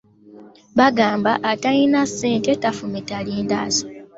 Bagamba atalina ssente tafumita lindaazi.